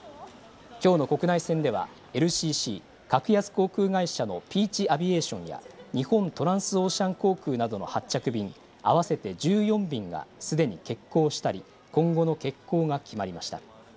きょうの国内線ではＬＣＣ・格安航空会社のピーチ・アビエーションや日本トランスオーシャン航空などの発着便、合わせて１４便がすでに欠航したり今後の欠航が決まりました。